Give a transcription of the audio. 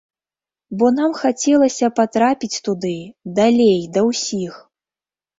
Бо нам хацелася патрапіць туды, далей, да ўсіх.